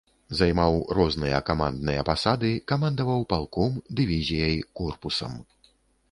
Займаў розныя камандныя пасады, камандаваў палком, дывізіяй, корпусам.